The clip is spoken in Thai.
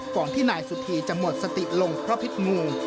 ก่อนที่นายสุธีจะหมดสติลงเพราะพิษงู